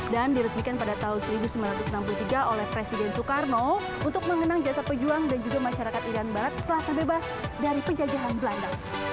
dan diresmikan pada tahun seribu sembilan ratus enam puluh tiga oleh presiden soekarno untuk mengenang jasa pejuang dan juga masyarakat irian barat setelah terbebas dari penjajahan belanda